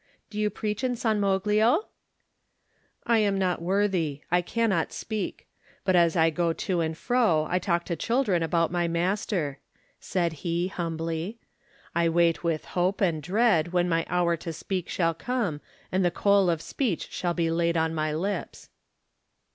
"Do you preach in San Moglio?" "I am not worthy. I cannot speak. But as I go to and fro I talk to children about my Master," said he, humbly. "I wait with hope and dread when my hour to speak shall come and the coal of speech shall be laid on my lips."